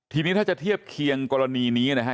ทีนี้ถ้าจะเทียบเคียงกรณีนี้นะฮะ